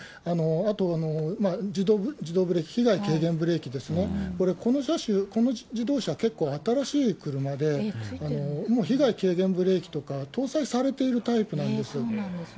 あと、自動ブレーキ、被害軽減ブレーキですね、これ、この車種、この自動車、結構新しい車で、もう被害軽減ブレーキとか搭載されているタイプなんです。